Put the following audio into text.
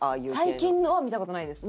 最近のは見た事ないです。